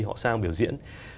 họ sang biểu diễn